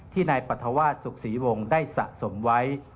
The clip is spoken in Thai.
ที่นายปรัฐวาสศุกษีวงศ์ได้สะสมไว้